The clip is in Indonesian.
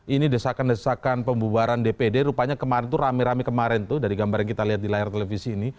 ini desakan desakan pembubaran dpd rupanya kemarin tuh rame rame kemarin tuh dari gambar yang kita lihat di layar televisi ini